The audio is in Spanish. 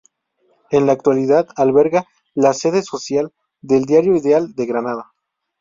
En la actualidad alberga la sede social del Diario Ideal de Granada.